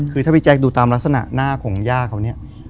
คือถ้าพี่แจ๊คดูตามลักษณะหน้าของย่าเขาเนี่ย